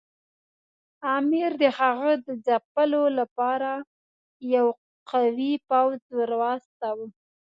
امیر د هغه د ځپلو لپاره یو قوي پوځ ورواستاوه.